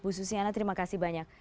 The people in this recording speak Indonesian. bu susiana terima kasih banyak